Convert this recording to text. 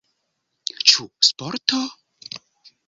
Ĉu sporto?